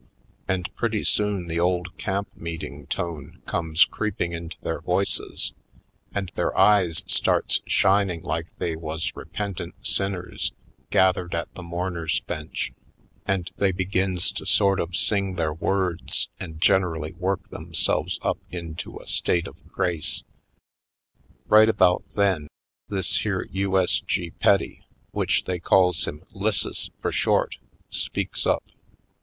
Afric Shores 153 And pretty soon the old camp meeting tone comes creeping into their voices and their eyes starts shining like they was repentant sinners gathered at the mourners' bench and they begins to sort of sing their words and generally work themselves up into a state of grace. Right about then this here U. S. G. Petty, which they calls him 'Lisses for short, speaks up.